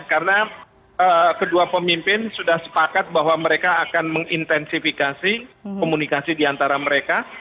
karena kedua pemimpin sudah sepakat bahwa mereka akan mengintensifikasi komunikasi diantara mereka